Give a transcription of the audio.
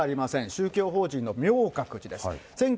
宗教法人の明覚寺です。